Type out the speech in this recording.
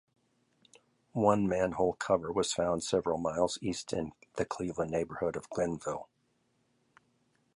One manhole cover was found several miles east in the Cleveland neighborhood of Glenville.